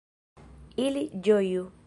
Ili ĝoju!